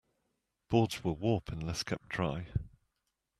Boards will warp unless kept dry.